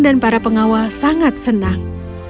dan para pengawal sangat senang